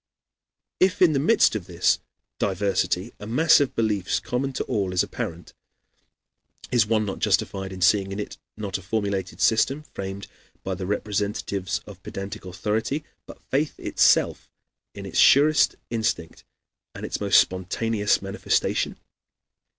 If in the midst of this diversity a mass of beliefs common to all is apparent, is one not justified in seeing in it, not a formulated system, framed by the representatives of pedantic authority, but faith itself in its surest instinct and its most spontaneous manifestation?